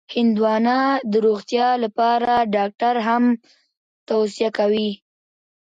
هندوانه د روغتیا لپاره ډاکټر هم توصیه کوي.